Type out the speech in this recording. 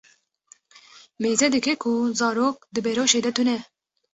Mêze dike ku zarok di beroşê de tune.